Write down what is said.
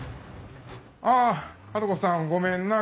ああ治子さんごめんな。